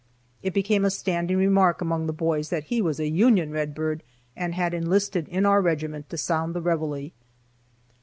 It became a standing remark among the boys that he was a Union redbird and had enlisted in our regiment to sound the reveille.